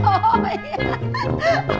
tôi xem nào